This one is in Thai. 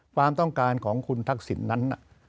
ความต้องการของคุณทักษิณนั้น